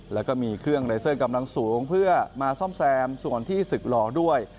แล้วก็มีเครื่องเลเซอร์กำลังสูงเพื่อมาซ่อมแซมส่วนที่ศึกหล่อด้วย